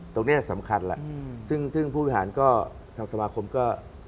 ตรงนี้สำคัญแหละซึ่งผู้บริหารก็ทางสมาคมก็